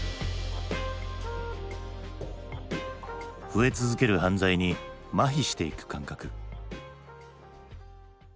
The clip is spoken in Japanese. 増え続ける犯罪にまひしていく感覚。